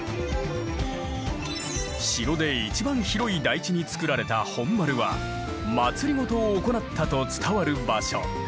城で一番広い台地に造られた本丸は政を行ったと伝わる場所。